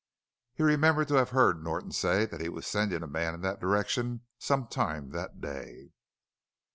He remembered to have heard Norton say that he was sending a man in that direction some time that day.